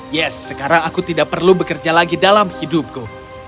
yes sekarang aku tidak perlu bekerja lagi dalam hidupku